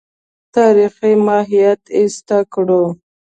تاریخي ماهیت ایسته کړو.